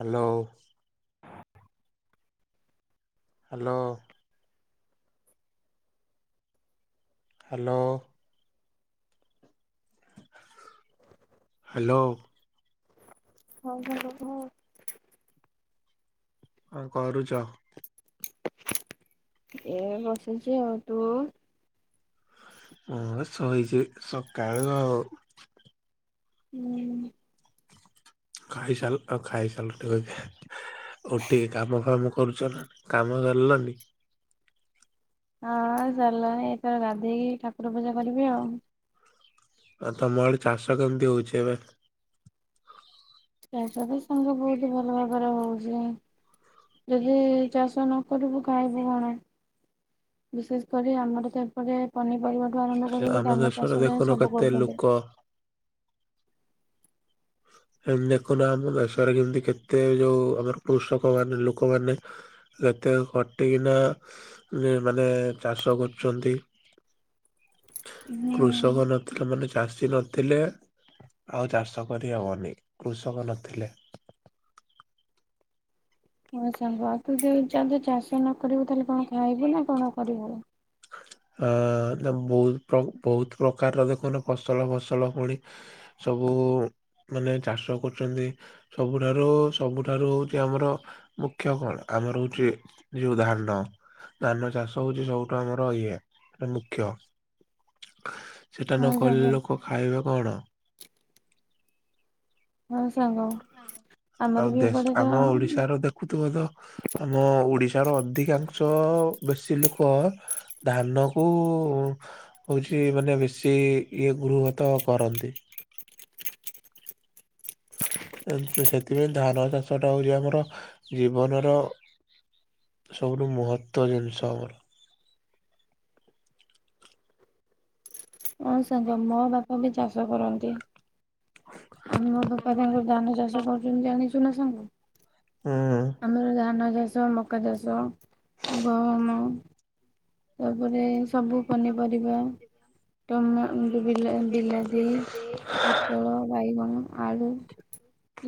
Hello. Hello. Hello. Hello. ହଉ ସାଙ୍ଗ କହ? କଣ କରୁଛ? ଏ ବସିଛି ଆଉ ତୁ? ହଁ ଶୋଇଛି ସକାଳୁ ଆଉ ହୁଁ। ଖାଇ ସାଇଲ ଖାଇ ସାଇଲ ଟି କହୁଛି ଉଠିକି କାମ ଫାମ କରୁଛ ନା କାମ ସାରିଲନି? ହଁ-ଅ-ଅ ସରିଲାଣି ଏଇଥର ଗାଧେଇକି ଠାକୁର ପୂଜା କରିବି ଆଉ। ଆଉ ତମ ଆଡ଼େ ଚାଷ କେମିତି ହଉଛି ଏବେ? ଚାଷ ତ ସାଙ୍ଗ ବହୁତ ଭଲ ଭାବରେ ହଉଛି। ଯଦି-ଇ-ଇ-ଇ ଚାଷ ନ କରିବୁ ଖାଇବୁ କଣ? ବିଶେଷ କରି ଆମର ତ ଏପଟେ ପନିପରିବାର ଠୁ ଆରମ୍ଭ କରିକି ଆମ ଧାନ ଦେଶରେ ଚାଷ ଦେଖୁନ ଯାଏ ସବୁ କେତେ ଲୋକ କରୁଛନ୍ତି। ଏମତି ଦେଖୁନା ଆମ ଦେଶରେ କେମତି କେତେ ଯୋଉ ଆମର କୃଷକ ମାନେ ଲୋକମାନେ ଯେତେ ଖଟିକିନା ଆ ମାନେ ଚାଷ କରୁଛନ୍ତି। ହୁଁ। କୃଷକ ନଥିଲେ ମାନେ ଚାଷୀ ନଥିଲେ ଆଉ ଚାଷ କରି ହବନି କୃଷକ ନଥିଲେ। ହଁ ସାଙ୍ଗ ଆଉ ତୁ ଯ ଯଦି ଚାଷ ନ କରିବୁ ତାହେଲେ କଣ ଖାଇବୁ ନା କଣ କରିବୁ? ଅ ବହୁତ ବହୁତ ପ୍ରକାରର ଦେଖୁନ ଫସଲ ଫସଲ ପୁଣି ସବୁ ମାନେ ଚାଷ କରୁଚନ୍ତି। ସବୁଠାରୁ ସବୁଠାରୁ ହୋଉଚି ଆମର ମୁଖ୍ୟ କଣ ଆମର ହୋଉଚି ଯୋଉ ଧାନ। ଧାନ ଚାଷ ହୋଉଛି ସବୁଠୁ ଆମର ଇଏ ମୁଖ୍ୟ। ସେଇଟା ହଁ ନ ସାଙ୍ଗ କହିଲେ ଲୋକ ଖାଇବେ କଣ? ହଁ ସାଙ୍ଗ ଆମର ବି ଏପଟେ ତ ତାର ଦେଖୁଥିବ ତ ଆମ ଓଡିଶାର ଅଧିକାଂଶ ବେଶୀ ଲୋକ। ଧାନ କୁ ହୋଉଚି ମାନେ ବେଶୀ ଇଏ ଗୃହ ତ କରନ୍ତି। ସେଥିପାଇଁ ଧାନ ଚାଷଟା ହୋଉଚି ଆମର ଜୀବନର ସବୁଠୁ ମହତ୍ଵ ଜିନିଷ ଆମର। ହଁ ସାଙ୍ଗ ମୋ ବାପା ବି ଚାଷ କରନ୍ତି। ଆମ ଦପା ତାଙ୍କର ଧାନ ଚାଷ କରୁଛନ୍ତି ଜାଣିଛୁ ନା ସାଙ୍ଗ? ହୁଁ। ଆମର ଧାନ ଚାଷ ମକା ଚାଷ ଗହମ। ତାପରେ ସବୁ ପନିପରିବା ଟମା ବିଲାତି। ପୋଟଳ ବାଇଗଣ ଆଳୁ।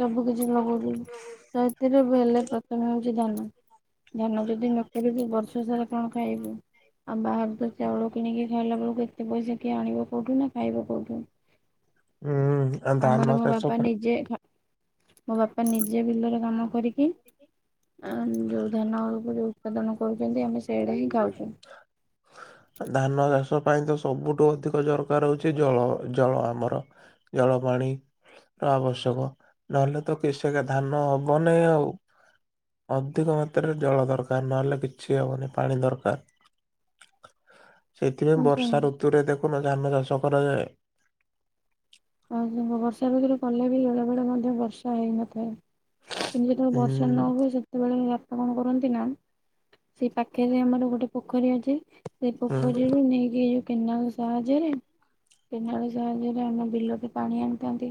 ସବୁ କିଛି ଲଗଉଛୁ ସେଥିରେ ବି ହେଲେ ପ୍ରଥମେ ହୋଉଚି ଧାନ। ଧାନ ଯଦି ନ କରିବୁ ବର୍ଷ ସାରା କଣ ଖାଇବୁ? ଆଉ ବାହରେ ତ ଚାଉଳ କିଣିକି ଖାଇଲା ବେଳକୁ ଏତେ ପଇସା କିଏ ଆଣିବ କଉଠୁ ନା ଖାଇବ କୋଉଠୁ। ହୁଁ ଧାନ ଚାଷ ପୁଣି ଯେ ମୋ ବାପା ନିଜେ ବିଲର କାମ କରିକି ଯୋଉ ଧାନ ଅଳକୁ ଯୋଉ ଉତ୍ପାଦନ କରୁଛନ୍ତି ଆମେ ସେଇଆଡେ ହିଁ ଖାଉଚୁ। ଧାନ ଚାଷ। ପାଇଁ ତ ସବୁଠୁ ଅଧିକ ଦରକାର ହୋ ଉଛି ଜଳ ଜଳ ଆମର ଜଳ ପାଣି। ଆବଶ୍ୟକ ନହେଲେ ତ କିଷକ ଧାନ ହବନାଇଁ ଆଉ। ଅଧିକ ମାତ୍ରାରେ ଜଳ ଦରକାର ନହେଲେ କିଛି ହବନି ପାଣି ଦରକାର। ସେଇଥିପାଇଁ ବର୍ଷା ଋତୁରେ ଦେଖୁନ ଧାନ ଚାଷ କରାଯାଏ। ଆଉ ବର୍ଷା ଭିତରେ କଲେ ବି ବେଳେ ବେଳେ ମଧ୍ୟ ବର୍ଷା ହେଇନଥାଏ। କିନ୍ତୁ ଯେତେବେଳେ ବର୍ଷା ହୁଁ। ନ ହୁଏ ସେତେବେଳେ କଣ କରନ୍ତି ନା ସେଇ ପାଖରେ ଆମର ଗୋଟେ ପୋଖରୀ ଅଛି। ସେ ହୁଁ ପୋଖରୀରୁୁ ନେଇକି ଏଇ ଯୋଉ କେନାଳ ସାହାଯ୍ୟରେ କେନାଳ ସାହାଯ୍ୟରେ ଆମ ବିଲ। ପାଣି ଆଣିଥାନ୍ତି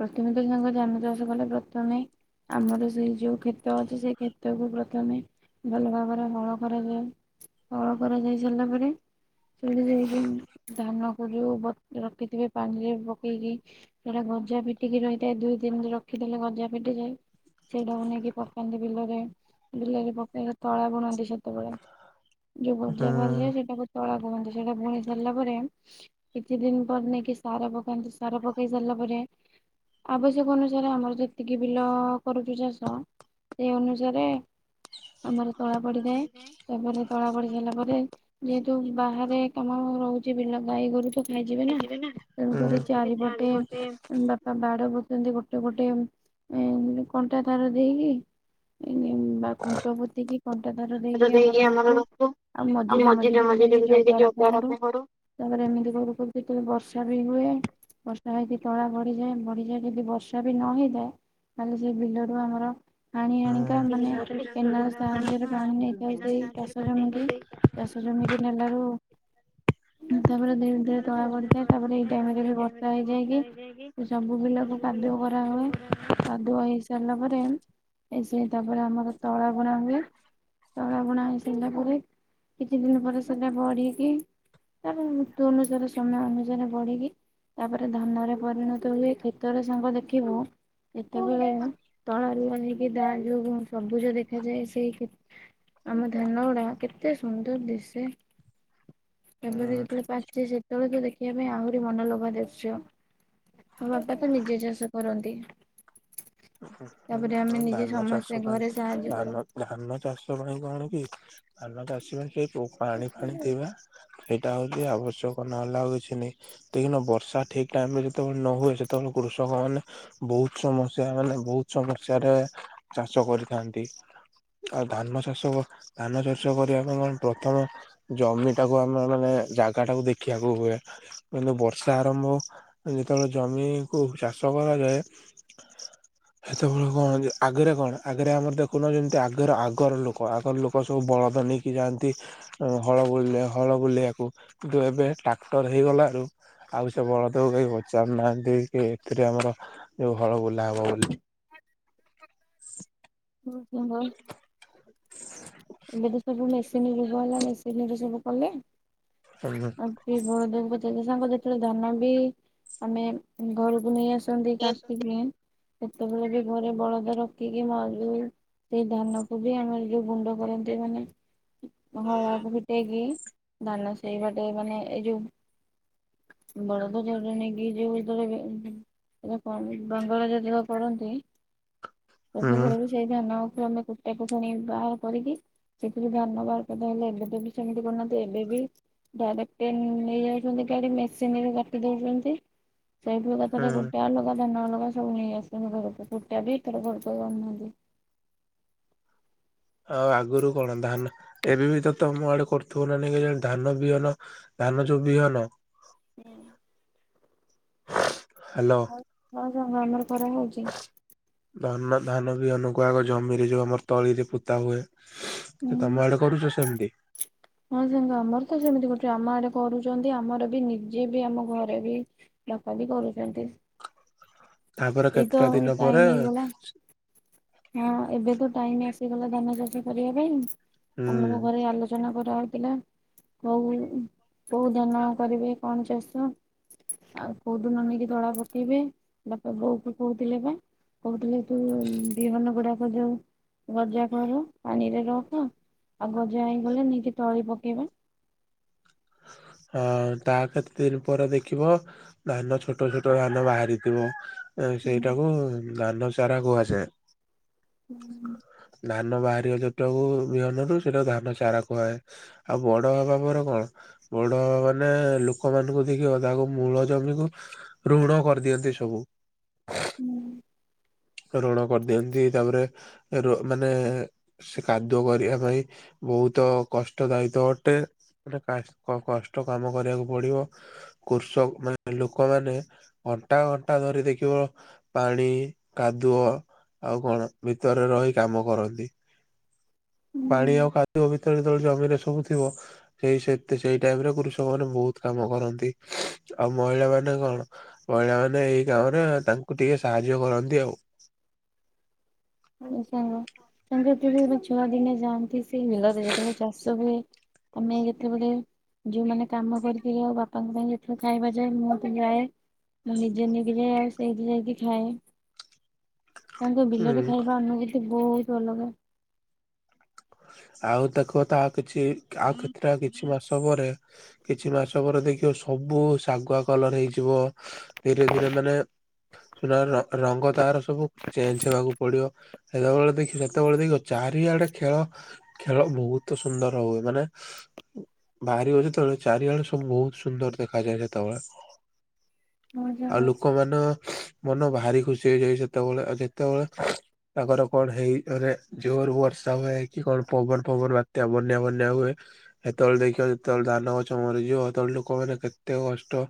ପ୍ରଥମେ ତ ତାଙ୍କ ଯାନ ଚାଷ କଲେ ପ୍ରଥମେ ଆମର ସେଇ ଯୋଉ କ୍ଷେତ ଅଛି ସେ କ୍ଷେତକୁୁ ପ୍ରଥମେ ଭଲ ଭାବରେ ହଳ କରାଯାଏ ହଳ କରାଯାଇ ସାରିଲା ପରେ ଚୁଡି ଯାଇକି ଧାନକୁ ଯୋଉ ରଖିଥିବେ। ପାଣିରେ ପକେଇକି ସେଟା ଗଜା ଫିଟିକି ରହିଥାଏ ଦୁଇ ତିନି ରଖିଦେଲେ ଗଜା ଫିଟିଯାଏ। ସେଇଟାକୁ ନେଇକି ପକାନ୍ତି ବିଲରେ ବିଲରେ ପକେଇଲେ ତଳ ବୁଣନ୍ତି ସେତେବେଳେ। ଯୋଉ ବଜା ହୁଁ କରାଯାଏ ସେଇଟା କୁ ତଳା କୁହନ୍ତି ସେଟା ବୁଣି ସାରିଲା ପରେ କିଛି ଦିନ ପରେ ନେଇକି ସାର ପକାନ୍ତି ସାର ପକାଇ ସାରିଲା ପରେ ଆବଶ୍ୟକ ଅନୁସାରେ ଆମର ଯେତିକି ବିଲ କରୁଛୁ ଚାଷ ସେଇ ଅନୁସାରେ ଆମର ତଳା ପଡିଥାଏ ତାପରେ ତଳା ପଡି ସାରିଲା ପରେ ଯେହେତୁ ବାହାରେ କାମ ରହୁଚି ବିଲ ଗାଈ ଗୋରୁ ତ ଖାଇଯିବେ ନା। ତେଣୁକରି ହୁଁ। ଚାରିପଟେ ବାପ ବା ବାଡ କରୁଚନ୍ତି ଗୋଟେ ଗୋଟେ ଉମ୍ ଇଁ କଣ୍ଟା ତାର ଦେଇକିରି ଇଁମ୍ ବା ଖୁଣ୍ଟ ପୋତିକି କଣ୍ଟା ତାର ଦେଇକି ଆମର ରଖିବୁ। ଆଉ ମଝିରେ ମଝିରେ ବି ଯାଇକି ଯଗା ରଖା କରୁ ତାପରେ ଏମିତି କରୁ କରୁ କେତେବେଳେ ବର୍ଷା ବର୍ଷା ବି ହୁଏ ବର୍ଷା ହେଇକି ତଳା ବଢିଯାଏ ବଢିଯାଏ ଯଦି ବର୍ଷା ବି ନ ହେଇଥାଏ ତାହାଲେ ସେଇ ବିଲରୁୁ ଆମର ହାଣି ହୁଁ ଆଣିକା ମାନେ କେନାଲ ସାହାଯ୍ୟରେ ପାଣି ନେଇଥାଉ ସେଇ ଚାଷ ଜମିକି ଚାଷ ଜମିକି ନେଲାରୁ ତାପରେ ଧୀରେ ଧୀରେ ତଳା ବଢି ତାପରେ ଏଇ ଟାଇମ ରେ ବି ବର୍ଷା ହେଇଯାଇକି ସବୁ ବିଲକୁ କାଦୁଅ କରା ହୁଏ। କାଦୁଆ ହେଇ ସାରିଲା ପରେ ସେ ତାପରେ ଆମର ତଳା ବୁଣା ହୁଏ। ତଳା ବୁଣା ହେଇସାରିଲା ପରେ କିଛି ଦିନ ପରେ ସେଟା ବଢି଼କି ତାପରେ ମୃତ୍ୟୁ ଅନୁସାରେ ସମୟ ଅନୁ ବଢି଼କି ତାପରେ ଧାନରେ ପରିଣତ ହୁଏ କ୍ଷେତରେ ସାଙ୍ଗ ଦେଖିବୁ କେତେବେଳେ ମ ତଳାରୁ ଅଧିକି ତା ଯୋଗୁଁ ସବୁଜ ଦେଖାଯାଏ ସେଇ କେ ଆମ ଧାନଗୁ଼ଡ଼ା କେତେ ସୁନ୍ଦର ଦିଶେ। ତାପରେ ହୁଁ। ଯେତେବେଳେ ପାଚେ ସେତେବେଳେ ତ ଦେଖିବା ପାଇଁ ଆହୁରି ମନଲୋଭା ଦୃଶ୍ୟ। ମୋ ବାପା ତ ନିଜେ ଚାଷ କରନ୍ତି। ଉଁ ତାପରେ ଆମେ ହୁଁ ନିଜେ ଧାନ ସମସ୍ତେ ଚାଷ ପାଇଁ ଘରେ ସାହାଯ୍ୟ କରୁ। ଧାନ ଧାନ ଚାଷ ପାଇଁ କଣ କି, ଧାନ ଚାଷୀମାନେ କେହି ପୋ ପାଣି ଫାଣି ଥିବା। ହେଇଟା ହଉଚି ଆବଶ୍ୟକ ନହେଲା ଆଉ କିଛି ନାଇଁ। ଦେଖିନ ବର୍ଷା ଠିକ୍ ଟାଇମ ରେ ଯେତେବେଳେ ନ ହୁଏ, ସେତେବେଳେ କୃଷକ ମାନେ ବହୁତ ସମ ସେମାନେେ ବହୁତ ସମସ୍ୟାରେ ଚାଷ କରିଥାନ୍ତି। ଆଉ ଧାନ ଚାଷ ଧାନ ଚାଷ କରିବା ପାଇଁ କଣ ପ୍ରଥମ ଜମି ଟାକୁ ଆମେ ମାନେ ଜାଗାଟାକୁ ଦେଖିବାକୁ ହୁଏ। କିନ୍ତୁ ବର୍ଷା ଆରମ୍ଭ ଯେତେବେଳେ ଜମିକୁୁ ଚାଷ କରାଯାଏ। ସେତେବେଳେ କଣ ଯେ ଆଗରେ କଣ ଆଗରେ ଆମର ଦେଖୁନ, ଯେମିତି ଆଗର ଆଗର ଲୋକ ଆଗର ଲୋକ ସବୁ ବଳଦ ନେଇକି ନେଇକି ଯାଆନ୍ତି ହଳ ବୁଲ ହଳ ବୁଲେଇବାକୁ କିନ୍ତୁ ଏବେ ଟ୍ରାକ୍ଟର ହେଇଗଲାରୁ ଆଉ ସେ ବଳଦକୁ କେହି ପଚାରୁନାହାନ୍ତି କି ଏଥିରେ ଆମର ଯୋଉ ହଳ ବୁଲା ହବ ବୋଲି। [unintelligible] ଏବେ ତ ସବୁ ମେସିନ୍ ଯୁଗ ହେଲା, ମେସିନିରେ ସବୁ କଲେ‌। ହୁଁ ହୁଁ। ବଳଦେବ କୁ ପଚାର ସାଙ୍ଗ ଯେତେବେଳେ ଧାନ ବି ଆମେ ଘରୁକୁ ନେଇ ଆସୁ [unintelligible] କାଟିଦିଏ। ସେତେବେଳେ ବି ଘରେ ବଳଦ ରଖିକି ମ ଯଉ ସେଇ ଧାନକୁ ବି ଆମେ ଯୋଉ ଗୁଣ୍ଡ କରନ୍ତି ମାନେ ହଳାକୁ ଫିଟେଇକି ଧାନ ସେଇବାଟେ ମାନେ ଏଇ ଯୋଉ ବଳଦ [unintelligible] ନେଇକି ଯିବୁ [unintelligible] ଏଇରା କଣ ବେଙ୍ଗଳା ଯେତିକ କରନ୍ତି। ହୁଁ ସେତେବେଳେ ବି ସେଇ ଧାନକୁ ଆମେ କୁଟାକୁ ଫୁଣି ବା କରିକି ସେଥିରେ ଧାନ ବାହାରକଦ ହେଲେ ଏବେ ତ ବି ସେମିତି କରୁନାହାନ୍ତି ଏବେ ବି ଡାଇରେକ୍ଟ୍ ନେଇ ଯାଉଚନ୍ତି ଗାଡି଼ ମେସିନ୍ ରେ ରଖି ଦଉଚନ୍ତି। ସେଉଠୁ ଏକାଥରେ ହୁଁ କୁଟା ଅଲଗା ଧାନ ଅଲଗା ସବୁ ନେଇ ଆସଚନ୍ତି ଘରକୁ କୁଟା ବି ଏଥର ଘରକୁ ଆଉ ଦଉନାହାନ୍ତି। ଆଉ ଆଗରୁ କଣ ଧାନ ଏବେ ବି ତ ତମ ଆଡେ଼ କରୁଥିବ ନା ନାହିଁ କେଜାଣି ଧାନ ବିହନ ଧାନ ଯୋଉ ବିହନ? ହୁଁ। ହାଲୋ। ହଁ ସାଙ୍ଗ ଆମର ଖରା ହଉଚି। ଧାନ ଧାନ ବିହନକୁ ଆଗ ଜମିରେ ଯୋଉ ଆମର ତଳିରେ ପୋତା ହୁଏ। ହୁଁ। ତମ ଆଡେ଼ କରୁଚ ସେମତି? ହଁ ସାଙ୍ଗ ଆମର ତ ସେମିତି କରୁଚୁ, ଆମ ଆଡେ଼ କରୁଚନ୍ତି ଆମର ବି ନିଜେ ବି ଆମ ଘରେ ବି ଲୋକ ବି କରୁଚନ୍ତି। ତାପରେ କେତେଟା ଦିନ ଟାଇମ ପରେ ହେଇଗଲା। ହଁ ଏବେ ତ ଟାଇମ୍ ଆସିଗଲା ଧାନ ଚାଷ କରିବା ପାଇଁ ଆମର ହୁଁ ଘରେ ଆଲୋଚ ନା କରାଯାଉଥିଲା କୋଉ କୋଉ ଧାନ କରିବେ କଣ ଚାଷ ଆଉ କୋଉଦିନ ନେଇକି ତଳା ପକେଇବେ ବାପା ବୋଉକୁ କହୁଥିଲେ ବା କହୁଥିଲେ। ତୁ ବିହନ ଗୁଡାକ ଯୋଉ ଗଜା କର ପାଣିରେ ରଖ ଆଉ ଗଜା ହେଇଗଲେ ନେଇକି ତଳି ପକେଇବା। ହ ତା କେତେ ଦିନ୍ ପରେ ଦେଖିବ ଧାନ ଛୋଟ ଛୋଟ ଧାନ ବାହାରିଥିବ ଏ ସେଇଟା କୁ ଧାନ ଚାରା କୁହାଯାଏ। ହୁଁ। ଧାନ ବାହାରିବ ଯୋଟା କୁ ବିହନରୁ ସେଟା କୁ ଧାନ ଚାରା କୁହାଯାଏ। ଆଉ ବଡ ହବା ପରେ କଣ? ବଡ ହବା ମାନେ ଲୋକମାନଙ୍କୁ ଦେଖିବ ତାଙ୍କ ମୂଳ ଜମିକୁ ଋଣ କରିଦିଅନ୍ତି ସବୁ। ହୁଁ। ଋଣ କରିଦିଅନ୍ତି ତାପରେ ଋ ମାନେ ସେ କାଦୁଅ କରିବା ପାଇଁ ବହୁତ କଷ୍ଟ ଦାୟିତ ଅଟେ। ମାନେ କା କଷ୍ଟ କାମ କରିବାକୁ ପଡିବ କୃଷ ମାନେ ଲୋକମାନେ ଘଣ୍ଟା ଘଣ୍ଟା ଧରି ଦେଖିବ ପାଣି କାଦୁଅ ଆଉ କଣ ଭିତରେ ରହି କାମ କରନ୍ତି। ପାଣି ଆଉ କାଦୁଅ ଭିତରେ ଯେତବେଳେ ଜମିରେ ସବୁ ଥିବ ସେଇ ସେତେ ସେଇ ଟାଇମ୍ ରେ କୃଷକ ମାନେ ବହୁତ କାମ କରନ୍ତି ଆଉ ମହିଳା ମାନେ କଣ ମହିଳା ମାନେ ଏଇ କାମରେ ତାଙ୍କୁ ଟିକେ ସାହାର୍ଯ୍ୟ କରନ୍ତି ଆଉ। ହଁ ସାଙ୍ଗ ଆମେ ଯେତେବେଳେ ଛୁଆ ଦିନେ ଯାଆନ୍ତି ସେ ବିଲରେ ଯେତବେଳେ ଚାଷ ହୁଏ ଆମେ ଯେତେବେଳେ ଯୋଉମାନେ କାମ କରିକି ଯାଉ ବାପାଙ୍କ ପାଇଁ ଯେତବେଳେ ଖାଇବା ଯାଏ ମୁଁ ବି ଯାଏ। ମୁଁ ନିଜେ ନେଇକି ଯାଏ ଆଉ ସେଇଠି ଯାଇକି ଖାଏ। ତାଙ୍କ ହୁଁ ବିଲରେ ଖାଇବା ଅନୁଭୂତି ବହୁତ୍ ଅଲଗା। ଆଉ ଦେଖ ତା କିଛି ଆଉ କେତେଟା କିଛି ମାସ ପରେ କିଛି ମାସ ପରେ ଦେଖିବ ସବୁ ଶାଗୁଆ କଲର୍ ହେଇଯିବ ଧୀରେ ଧୀରେ ମାନେ ସୁନା ର ରଙ୍ଗ ତାର ସବୁ ଚେଞ୍ଜ୍ ହେବାକୁ ପଡିବ। ସେତବେଳେ ଦେଖିବ ସେତବେଳେ ଦେଖିବ ଚାରିଆଡେ ଖେଳ ଖେଳ ବହୁତ ସୁନ୍ଦର ହୁଏ ମାନେ ବାହାରିବ ଯେତବେଳେ ଚାରିଆଡେ ସବୁ ବହୁତ ସୁନ୍ଦର ଦେଖାଯାଏ ସେତବେଳେ। ଆଉ ଲୋକମାନ ମନ ଭାରି ଖୁସି ହେଇଯାଏ ସେତେବେଳେ ଆଉ ଯେତେବେଳେ ତାଙ୍କର କଣ ହେଇ ମାନେ ଜୋରେ ବର୍ଷା ହୁଏ। କି କଣ ପବନ ଫବନ ବାତ୍ୟା ବନ୍ୟା ଫନ୍ୟା ହୁଏ। ହେତେବେଳେ ଦେଖିବ ଯେତେବେଳେ ଧାନ ଗଛ ମରିଯିବ ସେତେବେଳେ ଲୋକମାନେ କେତେ କଷ୍ଟ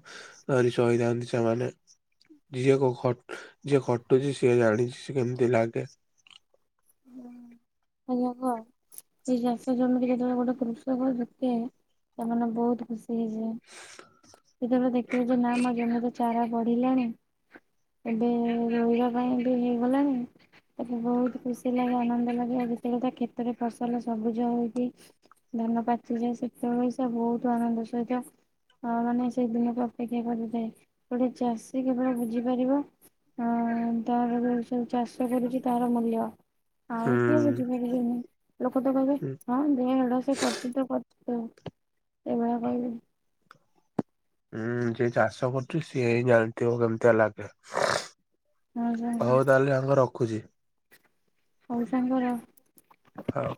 ଧରି ଶୋଇଥାନ୍ତି ସେମାନେ। ଯିଏ କୁ ଖ ଯିଏ ଖଟୁଛି ସିଏ ଜାଣିଛି ସେ କେମିତି ଲାଗେ। ଆଜ୍ଞା ହଁ ସେ ଚାଷ ଜମିକି ଯେତେବେଳେ ଗୋଟେ କୃଷକ ଯେତେ ସେମାନେ ବହୁତ ଖୁସି ହେଇଯିବେ। ସେତେବେଳେ ଦେଖିଲେ ଯେ ନାଇଁ ମୋ ଜମିରେ ଚାରା ବଢିଲାଣି। ଏବେ ରୋଇବା ପାଇଁ ବି ହେଇଗଲାଣିି ଏବେ ବହୁତ ଖୁସି। ପିଲାମାନଙ୍କ ଲାଗି ଯେତିକତା କ୍ଷେତରେ ଫସଲ ସବୁଜ ହଉଛି ଧାନ ପାଚିଯାଏ ସେତେବେଳେ ସ ବହୁତ ଆନନ୍ଦ ସହିତ ହଁ ମାନେ ସେଇ ଦିନକୁ ଅପେକ୍ଷା କରିଥାଏ ଗୋଟେ ଚାଷୀ କେବଳ ବୁଝିପାରିବ। ହଁ ତାର ଯୋଉ ସବୁ ଚାଷ କରୁଛି ତାର ମୂଲ୍ୟ। ଆଉ କିଏ ହୁଁ ବୁଝିପାରିବେନି। ଲୋକ ତ କହିବେ ହଁ ଦେ ହେଡ଼ା ସେ କରିଛି ତ କରିଛ ଏଇଭଳିଆ କହିବେ। ହୁଁ ଯିଏ ଚାଷ କରୁଛି ସିଏ ହିଁ ଜାଣିଥିବ କେମିତିଆ ଲାଗେ। ହଁ ସାଙ୍ଗ ହଉ ତାହେଲେ ସାଙ୍ଗ ରଖୁଛି। ହଉ ସାଙ୍ଗ ରହ। ହଉ।